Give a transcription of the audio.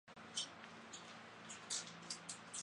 梁国雄及古思尧最后上诉至终审法院。